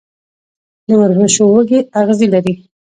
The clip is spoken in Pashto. د وربشو وږی اغزي لري.